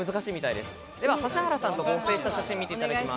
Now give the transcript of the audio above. では指原さんと合成した写真を見ていただきます。